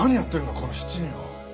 この７人は。